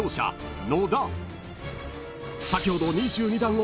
［先ほど］